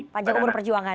panjang umur perjuangan